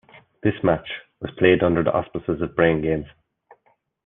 This match was played under the auspices of Braingames.